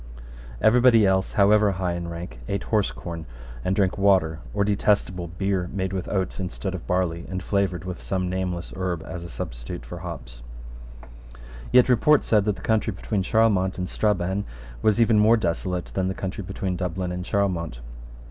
Every body else, however high in rank, ate horsecorn, and drank water or detestable beer, made with oats instead of barley, and flavoured with some nameless herb as a substitute for hops, Yet report said that the country between Charlemont and Strabane was even more desolate than the country between Dublin and Charlemont.